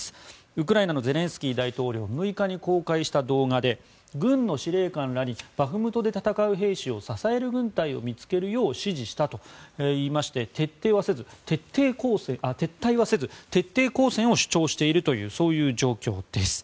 ウクライナのゼレンスキー大統領６日に公開した動画で軍の司令官らにバフムトで戦う兵士を支える軍隊を見つけるよう指示したといいまして撤退はせず徹底抗戦を主張しているというそういう状況です。